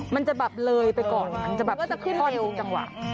มันจะแบบเลยไปก่อนมันจะแบบท่อนดูจังหวะ